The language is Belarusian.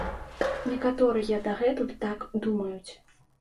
Некаторыя дагэтуль так думаюць.